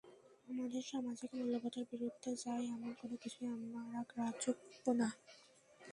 আমাদের সামাজিক মূল্যবোধের বিরুদ্ধে যায়—এমন কোনো কিছুই আমরা গ্রাহ্য করব না।